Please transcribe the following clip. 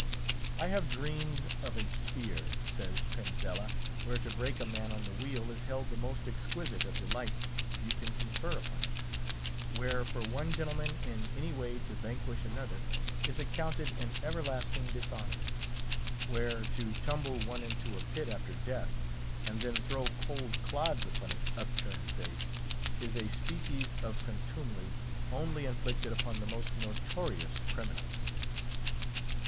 I have dreamed of a sphere, says Pinzella, where to break a man on the wheel is held the most exquisite of delights you can confer upon him; where for one gentleman in any way to vanquish another is accounted an everlasting dishonour; where to tumble one into a pit after death, and then throw cold clods upon his upturned face, is a species of contumely, only inflicted upon the most notorious criminals.